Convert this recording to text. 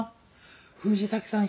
藤崎さん